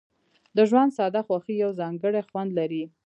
د ژوند ساده خوښۍ یو ځانګړی خوند لري.